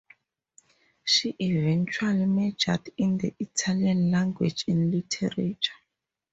She eventually majored in the Italian Language and Literature.